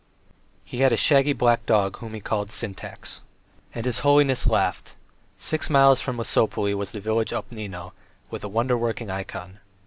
He had a shaggy black dog whom he called Syntax. And his holiness laughed. Six miles from Lesopolye was the village Obnino with a wonder working ikon.